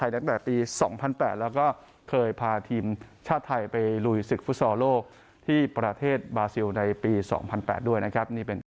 ในประเทศบาซิลในปี๒๐๐๘ด้วยนะครับ